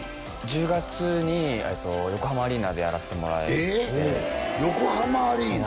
１０月に横浜アリーナでやらせてもらえて横浜アリーナ？